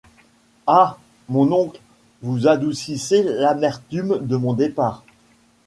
Ah! mon oncle, vous adoucissez l’amertume de mon départ.